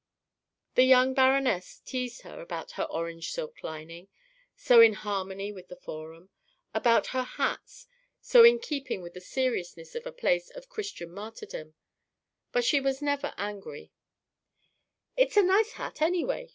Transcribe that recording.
The young Baronesse teased her about her orange silk lining, so in harmony with the Forum, about her hats, so in keeping with the seriousness of a place of Christian martyrdom, but she was never angry: "It's a nice hat anyway!"